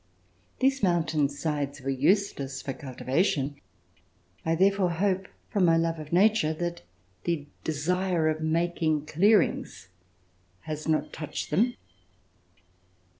These mountain sides were useless for cultiva tion. I therefore hope, from my love of nature, that the desire of making clearings has not touched them.